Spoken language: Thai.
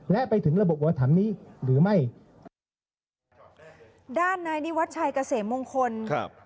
และไปถึงระบบวอธรรมนี้หรือไม่ด้านในนิวัฒน์ชายเกษมงคลครับ